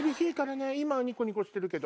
今はニコニコしてるけど。